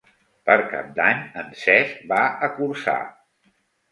Per Cap d'Any en Cesc va a Corçà.